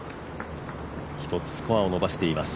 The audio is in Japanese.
一つスコアを伸ばしています